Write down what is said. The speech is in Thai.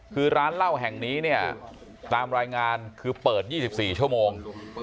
คือร้านเหล้าแห่งนี้เนี่ยตามรายงานคือเปิด๒๔ชั่วโมง